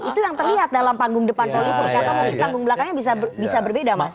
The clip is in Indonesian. itu yang terlihat dalam panggung depan koli purs atau panggung belakangnya bisa berbeda mas